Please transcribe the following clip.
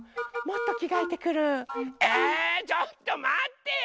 ちょっとまってよ！